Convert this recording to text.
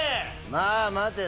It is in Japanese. まぁ待て！